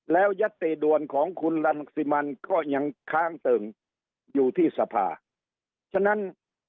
แล้วยัตติด่วนของคุณรังสิมันก็ยังค้างเติ่งอยู่ที่สภาฉะนั้น